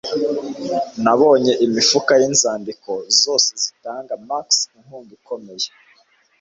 Nabonye imifuka yinzandiko, zose zitanga Max inkunga ikomeye